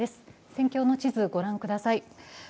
戦況の地図を御覧ください。